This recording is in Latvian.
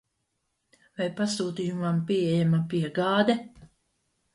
Vai pasūtījumam pieejama piegāde?